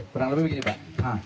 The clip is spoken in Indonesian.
kurang lebih begini pak